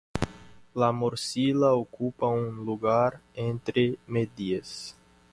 La morcilla ocupa un lugar entre medias.